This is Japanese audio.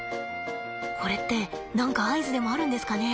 これって何か合図でもあるんですかね？